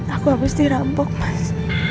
aku habis dirampok mas